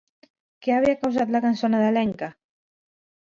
Què havia causat la cançó nadalenca?